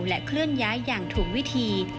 และเคลื่อนย้ายอย่างถูกวิธี